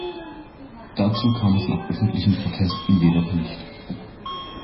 Dazu kam es nach öffentlichen Protesten jedoch nicht.